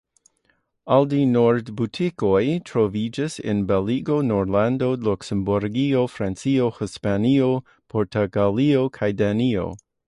Aldi-Nord butikoj troviĝas en Belgio, Nederlando, Luksemburgio, Francio, Hispanio, Portugalio kaj Danio.